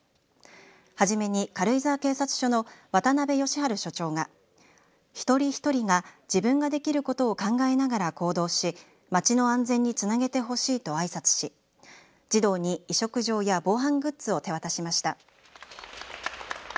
はじめに軽井沢警察署の渡邉禎治所長が一人一人が自分ができることを考えながら行動し町の安全につなげてほしいとあいさつし児童に委嘱状や防犯グッズを手渡しました。